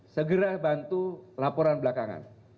segera bantu laporan belakangan